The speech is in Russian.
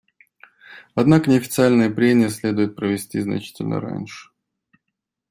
Однако неофициальные прения следует провести значительно раньше.